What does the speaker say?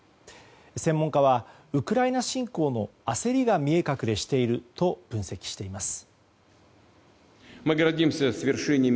専門家はウクライナ侵攻の焦りが見え隠れしていると分析しています。